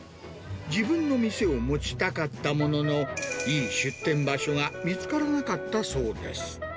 自分の店を持ちたかったものの、いい出店場所が見つからなかったそうです。